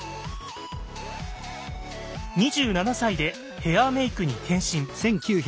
２７歳でヘアーメイクに転身。